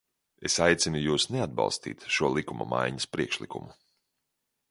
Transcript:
Es aicinu jūs neatbalstīt šo likuma maiņas priekšlikumu.